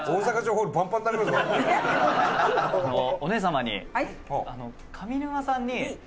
お姉様に。